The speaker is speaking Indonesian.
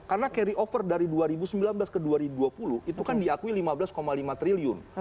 karena carry over dari dua ribu sembilan belas ke dua ribu dua puluh itu kan diakui lima belas lima triliun